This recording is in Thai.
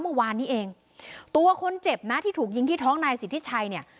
เมื่อวานนี้เองตัวคนเจ็บนะที่ถูกยิงที่ท้องนายสิทธิชัยเนี่ย